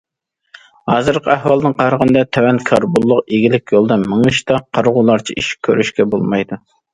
ھازىرقى ئەھۋالدىن قارىغاندا، تۆۋەن كاربونلۇق ئىگىلىك يولىدا مېڭىشتا قارىغۇلارچە ئىش كۆرۈشكە بولمايدۇ.